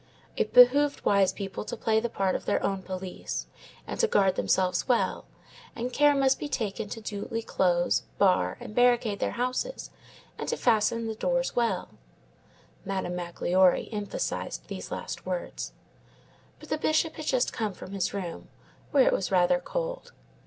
It behooved wise people to play the part of their own police, and to guard themselves well, and care must be taken to duly close, bar and barricade their houses, and to fasten the doors well. Madame Magloire emphasized these last words; but the Bishop had just come from his room, where it was rather cold.